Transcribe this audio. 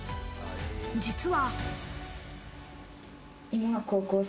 実は。